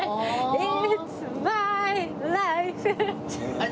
あれ？